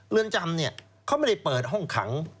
เรือนจำเนี่ยเขาไม่ได้เปิดห้องขัง